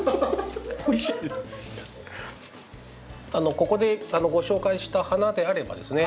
ここでご紹介した花であればですね